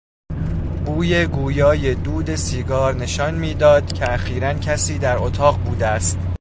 بوی گویای دود سیگار نشان میداد که اخیرا کسی در اتاق بوده است.